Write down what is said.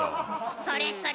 それそれ